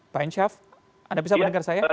pak ensyaf anda bisa mendengar saya